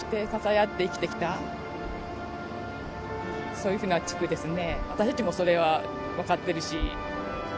そういうふうな地区ですね。